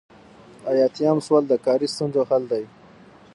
ایاتیام سوال د کاري ستونزو حل دی.